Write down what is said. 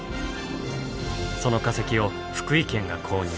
その化石を福井県が購入。